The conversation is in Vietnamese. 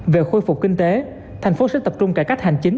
về khôi phục kinh tế thành phố sẽ tập trung cải cách hành chính